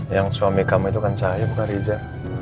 yang suami kamu itu kan cahaya bukan riza